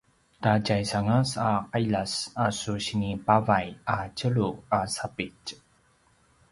ta tjaisangas a qiljas a su sinipavay a tjelu a sapitj